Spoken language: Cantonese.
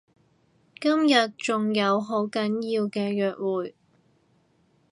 今日仲有好緊要嘅約會